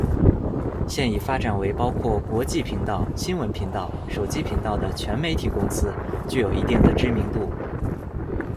现已发展为包括国际频道、新闻频道、手机频道的全媒体公司，具有一定的知名度。